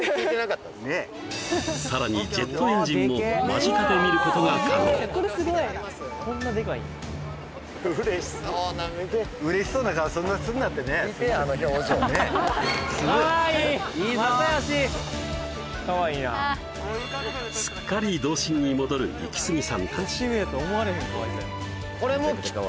さらにジェットエンジンも間近で見ることが可能嬉しそうな顔そんなすんなってねすごいすっかり童心に戻るイキスギさん